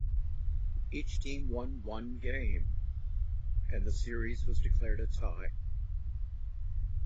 Each team won one game and the series was declared a tie.